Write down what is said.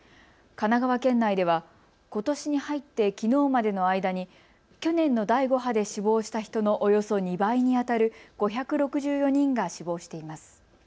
神奈川県内では、ことしに入ってきのうまでの間に去年の第５波で死亡した人のおよそ２倍にあたる５６４人が死亡しています。